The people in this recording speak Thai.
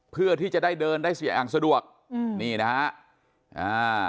เพื่อที่จะได้เดินได้เสียอ่างสะดวกอืมนี่นะฮะอ่า